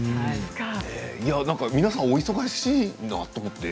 皆さんお忙しいなと思って。